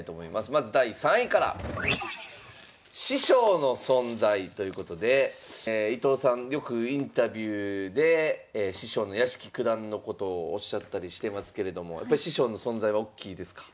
まず第３位から。ということで伊藤さんよくインタビューで師匠の屋敷九段のことをおっしゃったりしてますけれどもやっぱ師匠の存在はおっきいですか？